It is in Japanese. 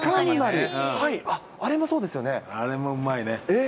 あれもうまいね。